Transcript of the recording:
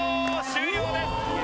終了です。